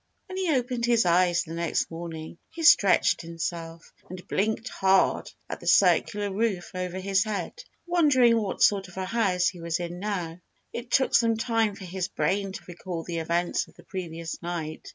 When he opened his eyes the next morning, he stretched himself, and blinked hard at the circular roof over his head, wondering what sort of a house he was in now. It took some time for his brain to recall the events of the previous night.